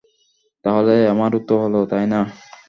তাহলে আমারও তো হলো, তাইনা?